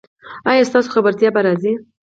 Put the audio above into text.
ایا ستاسو خبرتیا به راځي؟